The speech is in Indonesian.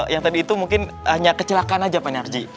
yang tadi itu mungkin hanya kecelakaan saja pak narji